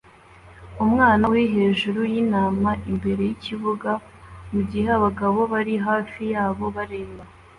Umwana ari hejuru yintama imbere yikibuga mugihe abagabo bari hafi yabo bareba